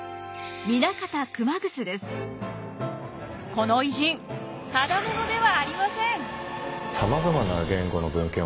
この偉人ただ者ではありません！